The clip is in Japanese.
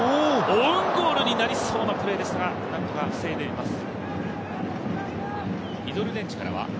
オウンゴールになりそうなプレーでしたが何とか防いでいます。